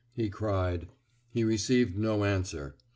'* he cried. He received no answer.